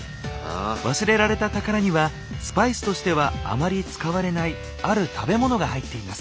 忘れられた宝にはスパイスとしてはあまり使われないある食べモノが入っています。